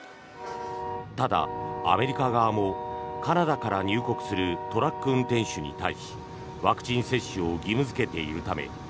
ただ、アメリカ側もカナダから入国するトラック運転手に対しワクチン接種を義務付けているため